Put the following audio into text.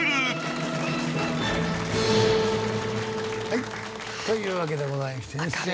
はいというわけでございましてですね。